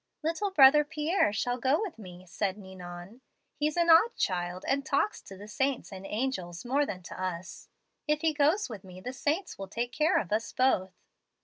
"'Little brother Pierre shall go with me,' said Ninon. 'He's an odd child, and talks to the saints and angels more than to us. If he goes with me, the saints will take care of us both.'